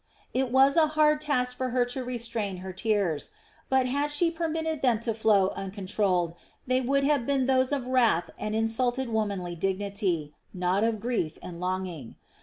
It was a hard task for her to restrain her tears. But had she permitted them to flow uncontrolled, they would have been those of wrath and insulted womanly dignity, not of grief and longing.